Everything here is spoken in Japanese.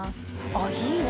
あっいいな。